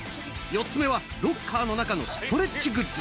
４つ目はロッカーの中のストレッチグッズ。